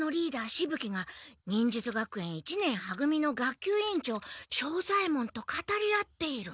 しぶ鬼が忍術学園一年は組の学級委員長庄左ヱ門と語り合っている。